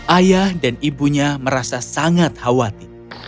ayah dan ibunya merasa sangat khawatir